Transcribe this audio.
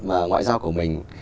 mà ngoại giao của mình